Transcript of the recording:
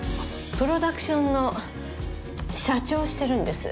プロダクションの社長をしてるんです。